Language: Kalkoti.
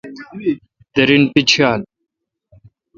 درین پیڄھال۔